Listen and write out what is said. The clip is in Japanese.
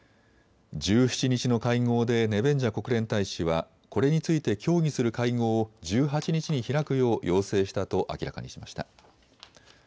１７日の会合でネベンジャ国連大使はこれについて協議する会合を１８日に開くよう要請したと明らかにしました。